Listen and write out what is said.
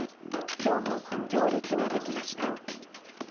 今日も行列ができました。